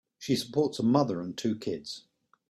She supports a mother and two kids.